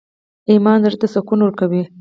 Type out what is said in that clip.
ایمان زړه ته سکون ورکوي